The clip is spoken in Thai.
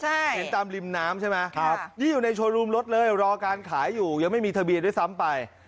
เห็นตามริมน้ำใช่ไหมครับนี่อยู่ในโชว์รูมรถเลยรอการขายอยู่ยังไม่มีทะเบียนด้วยซ้ำไป